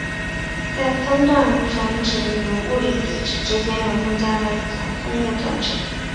在分段转址与物理地址之间又增加了一层分页转址。